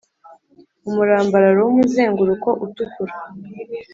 umurambararo w’umuzenguruko utukura